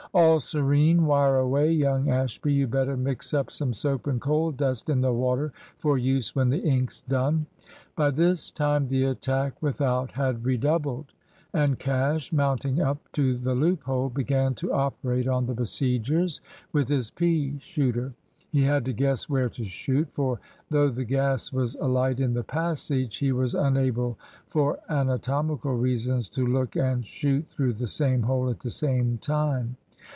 "All serene wire away! Young Ashby, you'd better mix up some soap and coal dust in the water for use when the ink's done." By this time the attack without had redoubled, and Cash, mounting up to the loophole, began to operate on the besiegers with his pea shooter. He had to guess where to shoot, for though the gas was alight in the passage, he was unable for anatomical reasons to look and shoot through the same hole at the same time.